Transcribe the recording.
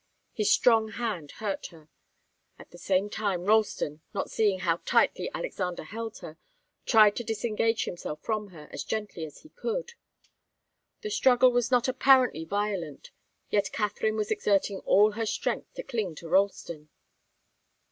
His strong hand hurt her. At the same time Ralston, not seeing how tightly Alexander held her, tried to disengage himself from her, as gently as he could. The struggle was not apparently violent, yet Katharine was exerting all her strength to cling to Ralston.